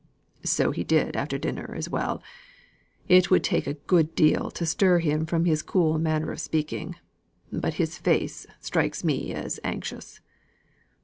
"So he did after dinner as well. It would take a good deal to stir him from his cool manner of speaking; but his face strikes me as anxious."